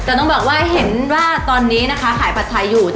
แต่ต้องบอกว่าเห็นว่าตอนนี้นะคะขายผัดไทยอยู่